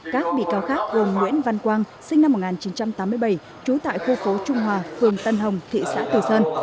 các bị cáo khác gồm nguyễn văn quang sinh năm một nghìn chín trăm tám mươi bảy trú tại khu phố trung hòa phường tân hồng thị xã từ sơn